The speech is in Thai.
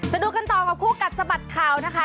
ดูกันต่อกับคู่กัดสะบัดข่าวนะคะ